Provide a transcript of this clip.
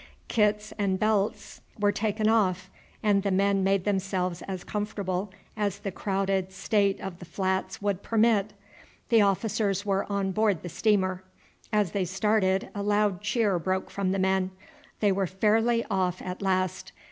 Kits and belts were taken off, and the men made themselves as comfortable as the crowded state of the flats would permit. The officers were on board the steamer. As they started a loud cheer broke from the men. They were fairly off at last.